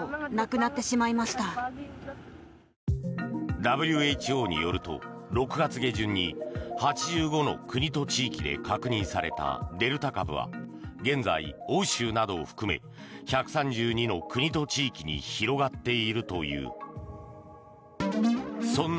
ＷＨＯによると６月下旬に８５の国と地域で確認されたデルタ株は現在、欧州などを含め１３２の国と地域に広がっているという。